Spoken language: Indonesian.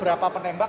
berapa penembak pak